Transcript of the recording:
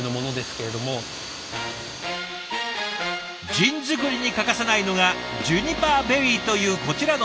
ジン作りに欠かせないのがジュニパーベリーというこちらの実。